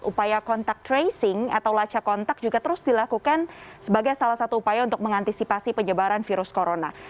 upaya kontak tracing atau lacak kontak juga terus dilakukan sebagai salah satu upaya untuk mengantisipasi penyebaran virus corona